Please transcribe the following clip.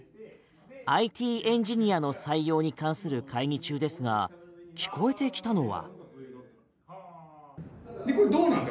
ＩＴエンジニアの採用に関する会議中ですが聞こえてきたのは。